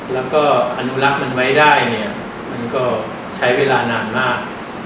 แล้วก็อนุรักษ์มันไว้ได้เนี่ยมันก็ใช้เวลานานมาก